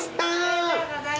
ありがとうございます。